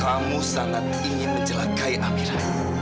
kamu sangat ingin menjelakai amira